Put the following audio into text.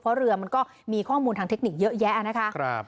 เพราะเรือมันก็มีข้อมูลทางเทคนิคเยอะแยะนะคะ